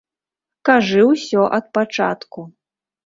Кажы ўсё ад пачатку.